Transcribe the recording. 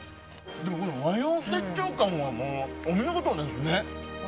これ、和洋折衷感がお見事ですね。